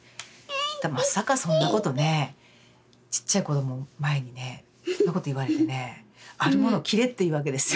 まさかそんなことねえちっちゃい子どもを前にねそんなこと言われてねあるものを切れって言うわけですよ。